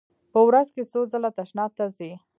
په ورځ کې څو ځله تشناب ته ځئ؟